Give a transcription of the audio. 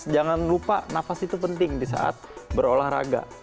jangan lupa nafas itu penting di saat berolahraga